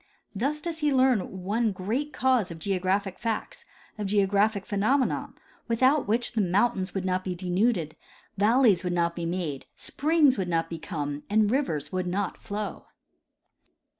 Thus does he learn one great cause of geographic facts, of geographic phe nomena, without which the mountains would not be denuded, valleys would not be made, springs would not become, and rivers would not flow.